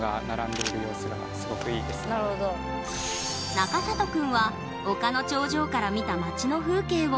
中里くんは丘の頂上から見た街の風景を。